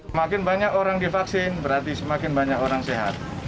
semakin banyak orang divaksin berarti semakin banyak orang sehat